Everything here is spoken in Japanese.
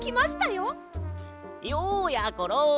ようやころ。